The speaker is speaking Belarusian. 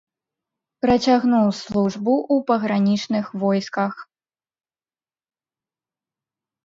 Працягнуў службу ў пагранічных войсках.